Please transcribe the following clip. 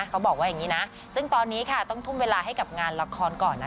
เพราะว่าถ้าทำอยากจะทุ่มเทเวลาให้กับงานเพลงอยากให้มันออกมาดีนะ